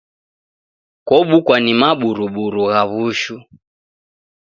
Kobukwa ni maburuburu gha w'ushu